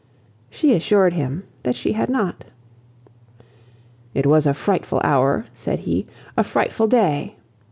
She assured him that she had not. "It was a frightful hour," said he, "a frightful day!"